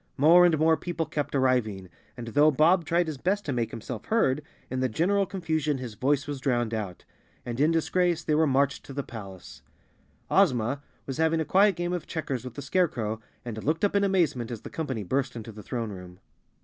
More and more people kept arriving, and though Bob tried his best to make himself heard, in the general confusion his voice was drowned out, and in disgrace they were marched to the palace. 244 Chapter Eighteen Ozma was having a quiet game of checkers with the Scarecrow and looked up in amazement as the com¬ pany burst into the throne room.